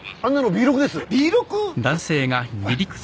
Ｂ６！？